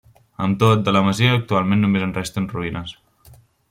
Amb tot, de la masia actualment només en resten ruïnes.